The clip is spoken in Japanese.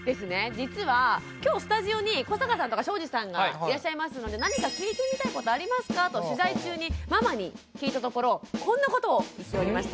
実は今日スタジオに古坂さんとか庄司さんがいらっしゃいますので「何か聞いてみたいことありますか？」と取材中にママに聞いたところこんなことを言っておりました。